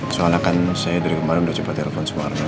soalnya kan saya dari kemarin udah coba telepon sama marno